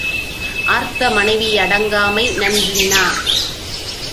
ஆர்த்த மனைவி யடங்காமை நன்கின்னா